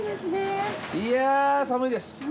いやぁ寒いです。